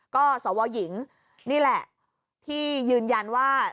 ก็สวหญิงนี่แหละที่ยืนยันว่า